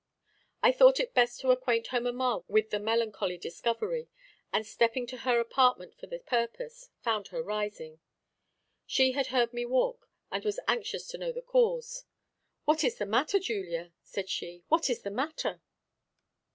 I thought it best to acquaint her mamma with the melancholy discovery, and, stepping to her apartment for the purpose, found her rising. She had heard me walk, and was anxious to know the cause. "What is the matter, Julia?" said she; "what is the matter?"